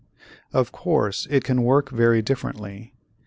Of course it can work very differently.